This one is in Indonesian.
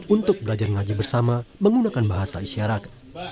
untuk belajar ngaji bersama menggunakan bahasa isyarat